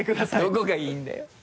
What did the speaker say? どこがいいんだよ。